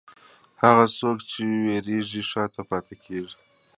هغه څوک چې وېرېږي، شا ته پاتې کېږي.